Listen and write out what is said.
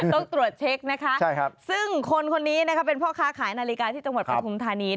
ต้องตรวจเช็คนะคะซึ่งคนคนนี้นะคะเป็นพ่อค้าขายนาฬิกาที่จังหวัดปฐุมธานี